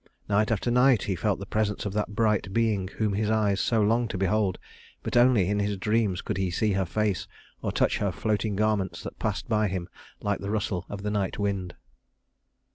Night after night he felt the presence of that bright being whom his eyes so longed to behold; but only in his dreams could he see her face or touch her floating garments that passed by him like the rustle of the night wind.